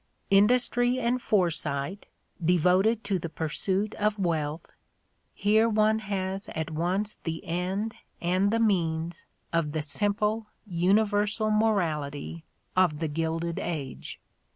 Industry and foresight, de voted to the pursuit of wealth — ^here one has at once the end and the means of the simple, universal morality of the Gilded Age.